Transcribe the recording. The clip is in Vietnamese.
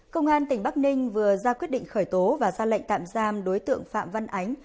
công an tỉnh bắc ninh vừa ra quyết định khởi tố và ra lệnh tạm giam đối tượng phạm văn ánh